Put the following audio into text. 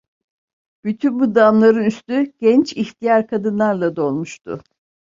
Bütün bu damların üstü genç, ihtiyar kadınlarla dolmuştu.